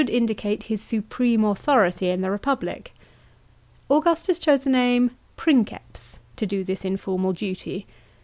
15 indicate his supreme authority in the republic. Augustus chose the name princeps * to do this informal duty.